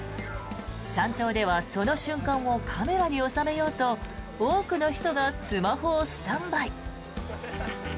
山頂ではその瞬間をカメラに収めようと多くの人がスマホをスタンバイ。